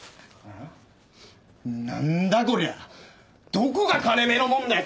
どこが金目のもんだよ！